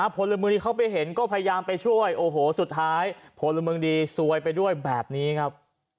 พลเมืองดีเข้าไปเห็นก็พยายามไปช่วยโอ้โหสุดท้ายพลเมืองดีซวยไปด้วยแบบนี้ครับ